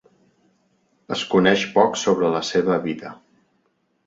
Es coneix poc sobre la seva vida.